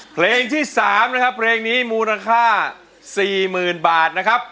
เพลงที่สามมูณค่า๔หมื่นบาทนะครับ